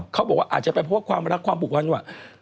เขาบอกว่าอาจจะเป็นเพราะว่าความรักความผูกพันว่า